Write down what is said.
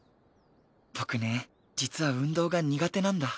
僕ね実は運動が苦手なんだ。